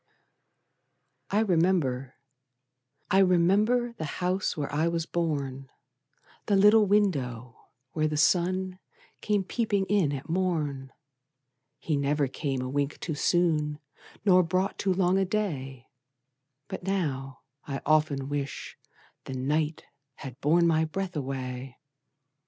I remember, I remember, The house where I was born, The little window where the sun Came peeping in at morn; He never came a wink too soon, Nor brought too long a day, But now, I often wish the night Had borne my breath away!